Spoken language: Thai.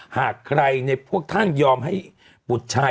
หากใครในพวกท่านยอมให้บุตรชาย